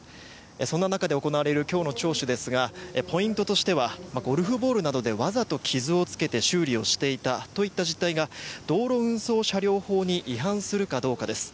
そんな中で行われる今日の聴取ですがポイントとしてはゴルフボールなどでわざと傷をつけて修理をしていたといった実態が道路運送車両法に違反するかどうかです。